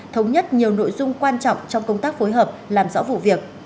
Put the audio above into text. thống nhất nhiều nội dung quan trọng trong công tác phối hợp làm rõ vụ việc